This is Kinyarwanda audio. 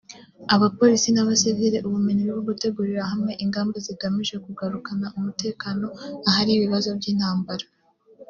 abapolisi n’abasivile ubumenyi bwo gutegurira hamwe ingamba zigamije kugarukana umutekano ahari ibibazo by’intambara